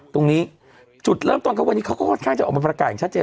ตรงนี้จุดเริ่มต้นเขาวันนี้เขาก็ค่อนข้างจะออกมาประกาศอย่างชัดเจน